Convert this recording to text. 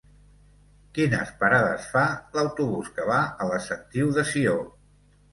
Quines parades fa l'autobús que va a la Sentiu de Sió?